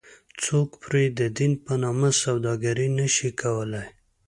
څوک پرې ددین په نامه سوداګري نه شي کولی.